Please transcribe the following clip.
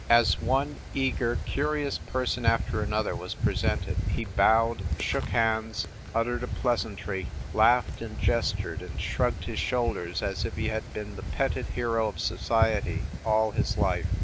As one eager, curious person after another was pre sented, he bowed, shook hands, uttered a pleasantry, laughed and gestured and shrugged his shoulders as if he had been the petted hero of society all his life.